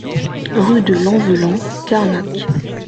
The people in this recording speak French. Rue de Lanvelan, Carnac